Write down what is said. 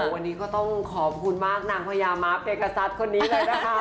วันนี้ก็ต้องขอบคุณมากนางพญาม้าเปกษัตริย์คนนี้เลยนะคะ